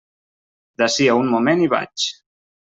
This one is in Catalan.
D'ací a un moment hi vaig.